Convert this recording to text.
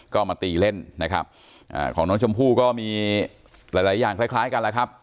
ก็มาตีเล่นนะครับของน้องชมพู่ก็มีหลายหลายอย่างคล้ายกันแล้วครับ